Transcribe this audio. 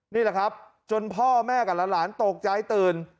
นี่แหละครับจนพ่อแม่กับหลานตกใจตื่น